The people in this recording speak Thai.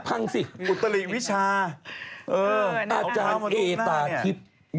อาจารย์เอตาทิพย์